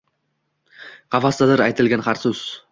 Қафасдадир айтилган ҳар сўз